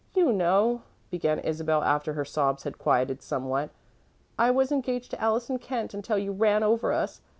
"You know," began Isabel, after her sobs had quieted somewhat, "I was engaged to Allison Kent until you ran over us.